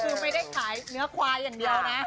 ซึ่งไม่ได้ขายเนื้อขวายเดี๋ยวนะ